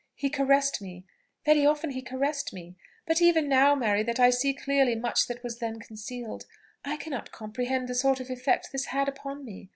He caressed me very often he caressed me. But even now, Mary, that I see clearly much that was then concealed, I cannot comprehend the sort of effect this had upon me.